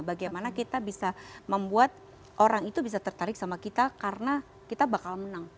bagaimana kita bisa membuat orang itu bisa tertarik sama kita karena kita bakal menang